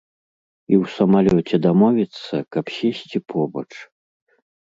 І ў самалёце дамовіцца, каб сесці побач.